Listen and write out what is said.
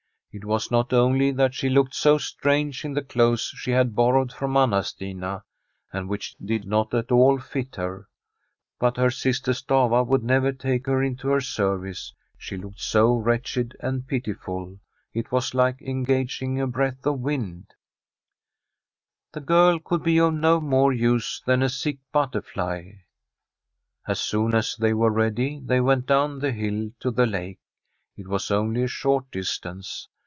It was not only that she looked so strange in the clothes she had borrowed from Anna Stina, and which did not at all fit her, but her sister Stafva would never take her into her service, she looked so wretched and pitiful. It was like engaging a breath of wind Tbi STORY of a COUNTRY HOUSE The girl could be of no more use than a sick butterfly. As soon as they were ready, they went down the hill to the lake. It was only a short distance.